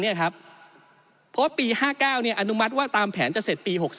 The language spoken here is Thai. เพราะปี๕๙อนุมัติว่าตามแผนจะเสร็จปี๖๓